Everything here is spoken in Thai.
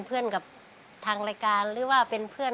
ชอบอะไรยังคุยกันเป็นเพื่อนกับทางรายการหรือว่าเป็นเพื่อน